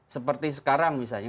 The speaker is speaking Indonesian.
seperti sekarang misalnya